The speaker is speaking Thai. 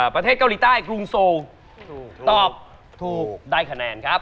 ประเทศเกาหลีใต้กรุงโซลตอบถูกได้คะแนนครับ